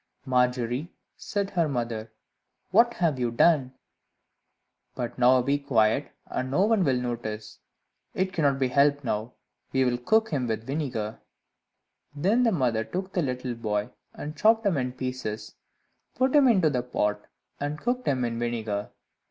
"Margery," said her mother, "what have you done! but now be quiet, and no one will notice; it cannot be helped now we will cook him in vinegar." Then the mother took the little boy, and chopped him in pieces, put him into the pot, and cooked him in vinegar.